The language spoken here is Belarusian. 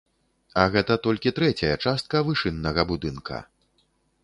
А гэта толькі трэцяя частка вышыннага будынка.